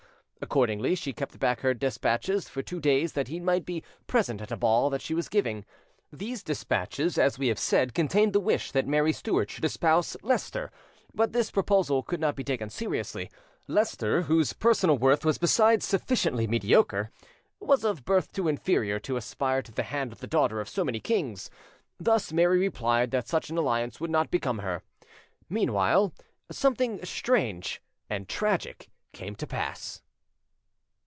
Accordingly, she kept back her despatches for two days that he might be present at a ball that she was giving. These despatches, as we have said, contained the wish that Mary Stuart should espouse Leicester; but this proposal could not be taken seriously. Leicester, whose personal worth was besides sufficiently mediocre, was of birth too inferior to aspire to the hand of the daughter of so many kings; thus Mary replied that such an alliance would not become her. Meanwhile, something strange and tragic came to pass.